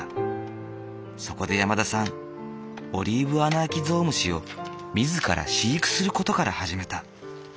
そこで山田さんオリーブアナアキゾウムシを自ら飼育する事から始めた。